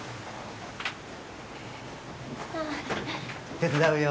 手伝うよ。